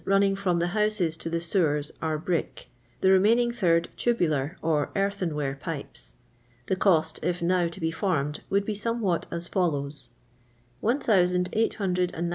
running from the houses to the sewers are brick ; the remaining third tubular, or earthenware pipes. The cost, if now to be formed, would be somewhat as follows :— ISOS^ miles of brick drains, bs.